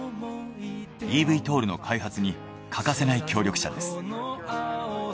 ｅＶＴＯＬの開発に欠かせない協力者です。